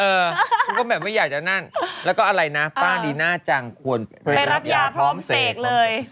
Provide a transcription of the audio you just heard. ฉันก็แบบไม่อยากจะนั่นแล้วก็อะไรนะป้าดีน่าจังควรไปรับยาพร้อมเสกเลย